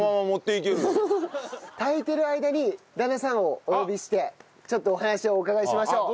炊いてる間に旦那さんをお呼びしてちょっとお話をお伺いしましょう。